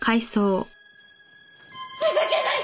ふざけないで！